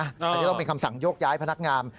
อันนี้ต้องเป็นคำสั่งโยกย้ายพนักงาน